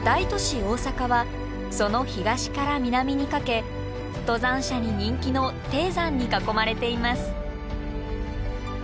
大阪はその東から南にかけ登山者に人気の低山に囲まれています。